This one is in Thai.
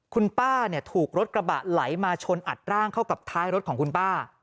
คุณป้าเนี่ยถูกรถกระบะไหลมาชนอัดร่างเข้ากับท้ายรถของคุณป้า